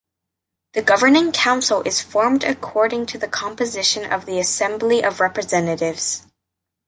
The Governing Council is formed according to the composition of the Assembly of Representatives.